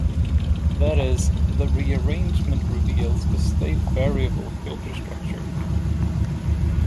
That is, the rearrangement reveals a state variable filter structure.